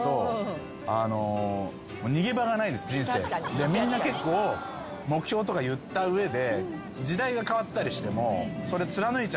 でみんな結構目標とか言った上で。